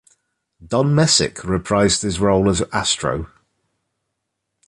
Don Messick reprised his role as Astro.